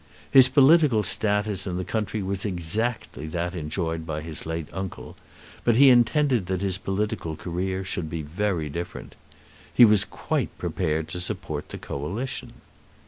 His political status in the country was exactly that enjoyed by his late uncle; but he intended that his political career should be very different. He was quite prepared to support the Coalition.